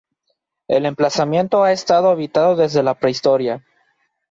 El emplazamiento ha estado habitado desde la prehistoria.